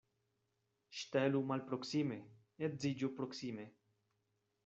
Ŝtelu malproksime, edziĝu proksime.